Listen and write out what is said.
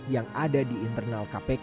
yang ada di internal kpk